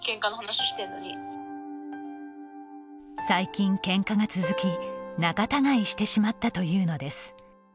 最近けんかが続き、仲たがいしてしまったというのです。